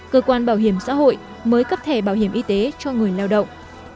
cơ quan bảo hiểm xã hội mới cấp thẻ bảo hiểm y tế cho người lao động